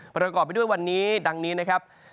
ประกอบไปด้วยวันนี้ดังนี้นะครับ